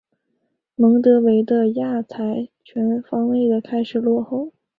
蒙得维的亚才全方位的开始落后。